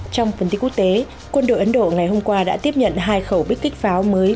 trong phần tin quốc tế quân đội ấn độ ngày hôm qua đã tiếp nhận hai khẩu bích kích pháo mới